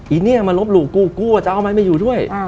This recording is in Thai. ไอเนี่ยมันลบลูกกูกูอาจจะเอามันไปอยู่ด้วย